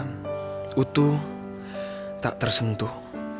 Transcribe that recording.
putu tak tersentuh